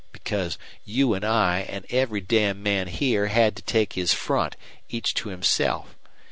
Because you an' I an' every damned man here had to take his front, each to himself.